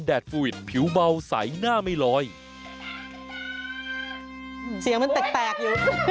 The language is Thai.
เสียงมันแตกอยู่